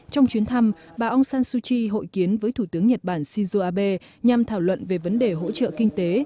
trong chuyến thăm bà aung san suu kyi hội kiến với thủ tướng nhật bản shinzo abe nhằm thảo luận về vấn đề hỗ trợ kinh tế